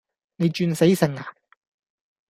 你轉死性呀